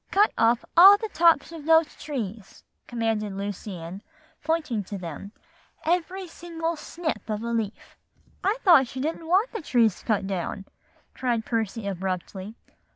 "'Cut off all the tops of those trees,' commanded Lucy Ann, pointing to them, 'every single snip of a leaf.'" "I thought she didn't want the trees cut down," cried Percy abruptly.